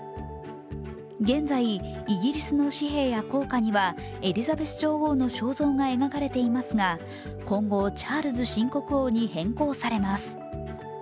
現在、イギリスの紙幣や硬貨にはエリザベス女王の肖像が描かれていますが今後、チャールズ新国王に変更されます。